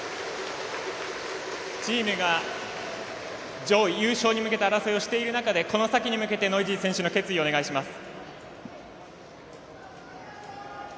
チームが上位優勝に向けた争いをしている中でこの先に向けてノイジー選手の決意をお願いします。